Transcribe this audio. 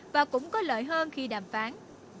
và cũng có lợi hơn khi đàm phán